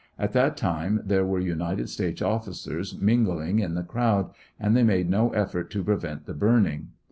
At that time there were United States officers mingling in the crowd, and they made no effort to prevent the burning.